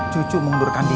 cucu mengundurkan diri